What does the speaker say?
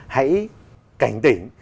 hãy cảnh tỉnh